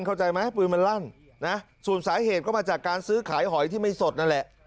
เข้าใจไหมปืนมันลั่นนะส่วนสาเหตุก็มาจากการซื้อขายหอยที่ไม่สดนั่นแหละ